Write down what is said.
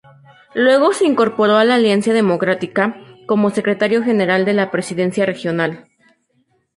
Luego se incorporó a la Alianza Democrática, como secretario general de la presidencia regional.